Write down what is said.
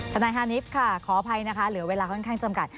ทนายฮานิฟค่ะขออภัยนะคะเหลือเวลาค่อนข้างจำกัด